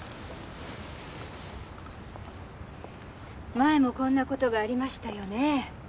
前もこんな事がありましたよねえ。